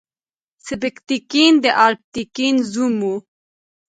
سبکتګین د الپتکین زوم و.